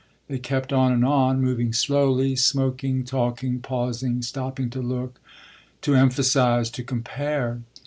They kept on and on, moving slowly, smoking, talking, pausing, stopping to look, to emphasise, to compare.